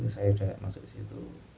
saya udah masuk situ